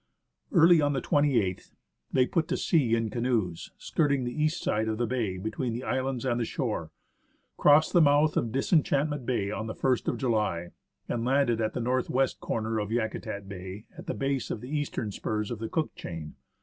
Early on the 28th they put to sea in canoes, skirting the east side of the bay between the islands and the shore, crossed the mouth of Disenchantment Bay 54 THE HISTORY OF MOUNT ST. ELIAS on the I St of July, and landed at the north west corner of Yakutat Bay, at the base of the eastern spurs of the Cook chain.